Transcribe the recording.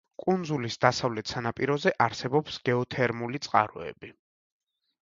კუნძულის დასავლეთ სანაპიროზე არსებობს გეოთერმული წყაროები.